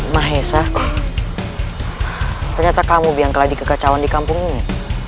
mahesa ternyata kamu yang kelihatan di kegacauan di kampung ini